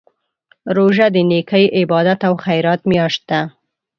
روژه د نېکۍ، عبادت او خیرات میاشت ده.